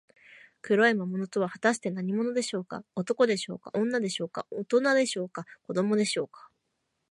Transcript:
黒い魔物とは、はたして何者でしょうか。男でしょうか、女でしょうか、おとなでしょうか、子どもでしょうか。